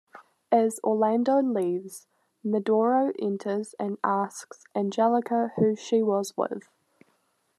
As Orlando leaves, Medoro enters and asks Angelica who she was with.